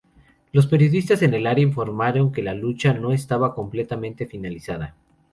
Los periodistas en el área informaron que la lucha no estaba completamente finalizada.